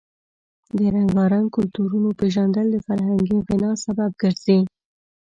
د رنګارنګ کلتورونو پیژندل د فرهنګي غنا سبب ګرځي.